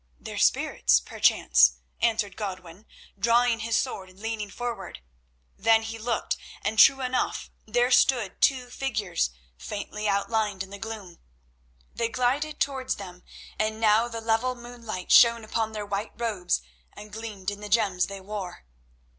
"Their spirits, perchance," answered Godwin, drawing his sword and leaning forward. Then he looked, and true enough there stood two figures faintly outlined in the gloom. They glided towards them, and now the level moonlight shone upon their white robes and gleamed in the gems they wore.